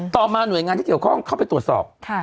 ต่อมาหน่วยงานที่เกี่ยวข้องเข้าไปตรวจสอบ